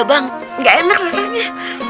bang gak enak rasanya